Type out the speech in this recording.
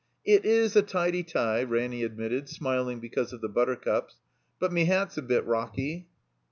"It is a tidy tie," Ranny admitted, smiling be cause of the buttercups. "But me hat's a bit rocky."